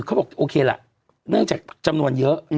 เขาบอกโอเคล่ะเนื่องจากจำนวนเยอะ